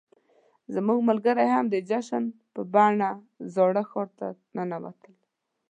زموږ ملګري هم د جشن په بڼه زاړه ښار ته ننوتل.